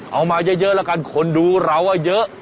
มาเยอะแล้วกันคนดูเราว่าเยอะ